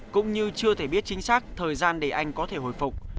cũng như chưa thể biết chính xác thời gian để anh có thể hồi phục